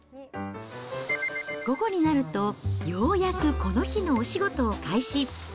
午後になると、ようやくこの日のお仕事を開始。